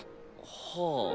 はあ。